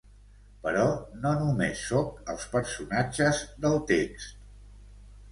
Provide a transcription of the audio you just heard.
Però no només sóc els personatges del text.